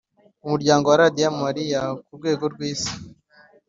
Umuryango wa Radio Maria ku rwego rw Isi